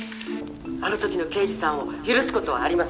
「あの時の刑事さんを許す事はありません」